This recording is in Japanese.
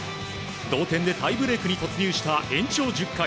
同点でタイブレークに突入した延長１０回。